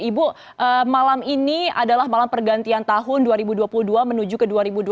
ibu malam ini adalah malam pergantian tahun dua ribu dua puluh dua menuju ke dua ribu dua puluh